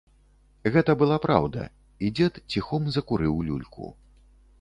Гэта была праўда, і дзед ціхом закурыў люльку.